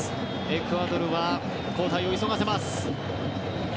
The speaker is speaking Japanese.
エクアドルは交代を急がせます。